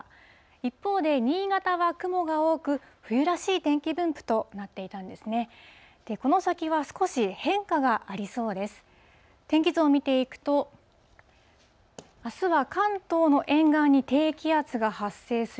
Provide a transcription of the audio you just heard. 一方で、新潟は雲が多く、冬らしい天気分布となっていたんですね。